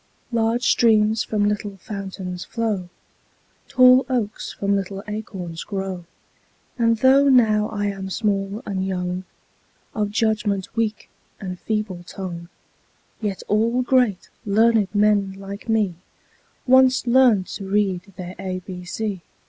Large streams from little fountains flow, Tall oaks from little acorns grow; And though now I am small and young, Of judgment weak and feeble tongue, Yet all great, learned men, like me Once learned to read their ABC.